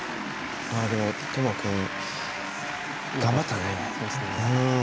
でも、智亜君、頑張ったね。